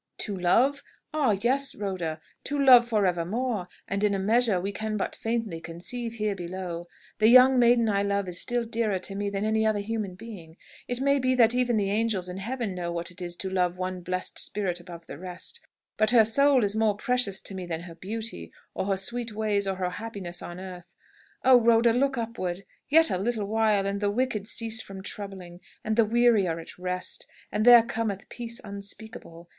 "To love? Ah, yes, Rhoda! To love for evermore, and in a measure we can but faintly conceive here below. The young maiden I love is still dearer to me than any other human being it may be that even the angels in Heaven know what it is to love one blessed spirit above the rest but her soul is more precious to me than her beauty, or her sweet ways, or her happiness on earth. Oh, Rhoda, look upward! Yet a little while and the wicked cease from troubling, and the weary are at rest, and there cometh peace unspeakable.